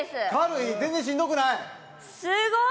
全然しんどくない？